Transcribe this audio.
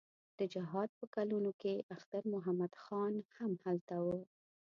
د جهاد په کلونو کې اختر محمد خان هم هلته و.